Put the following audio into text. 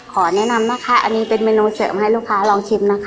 ขอแนะนำนะคะอันนี้เป็นเมนูเสริมให้ลูกค้าลองชิมนะคะ